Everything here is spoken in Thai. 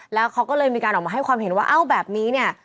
แล้วเขาก็เลยมีการออกมาให้ความเห็นว่าเอ้าแบบนี้เนี่ย